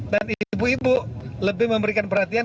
dan ibu ibu lebih memberikan perhatian